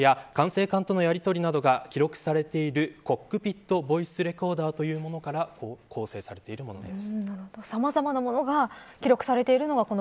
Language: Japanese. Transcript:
そして操縦席での音声や管制官とのやりとりなどが記録されているコックピットボイスレコーダーというものから構成されているものです。